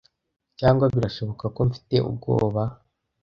Cyangwa birashoboka ko mfite ubwoba.